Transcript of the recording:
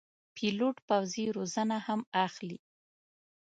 پیلوټ پوځي روزنه هم اخلي.